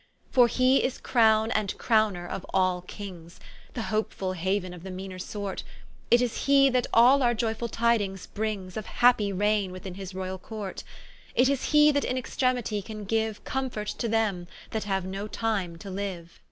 For he is Crowne and Crowner of all Kings, The hopeful hauen of the meaner sort, It is he that all our ioyfull tidings brings Of happie raigne within his royall Court: It is he that in extremity can giue Comfort to them that haue no time to liue.